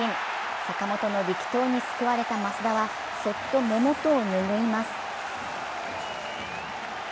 坂本の力投に救われた益田はそっと目元をぬぐいます。